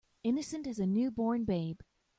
Innocent as a new born babe.